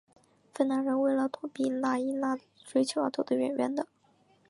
芬兰人为了躲避纳伊娜的追求而躲得远远的。